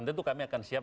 tentu kami akan siap